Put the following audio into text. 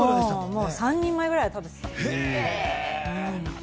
もう３人前ぐらい食べてました。